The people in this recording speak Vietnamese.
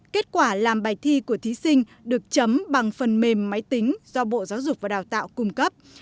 kết quả làm bài thi của thí sinh được chấm bằng phần mềm máy tính do bộ giáo dục và đào tạo cung cấp